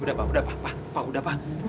udah pak udah pak